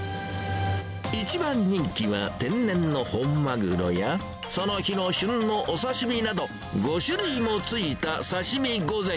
一番人気は天然の本マグロや、その日の旬のお刺身など、５種類もついた刺身御前。